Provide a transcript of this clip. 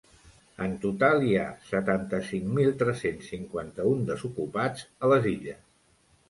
En total hi ha setanta-cinc mil tres-cents cinquanta-un desocupats a les Illes.